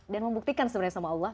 dan membuktikan sebenarnya sama allah